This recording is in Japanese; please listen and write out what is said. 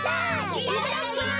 いただきます！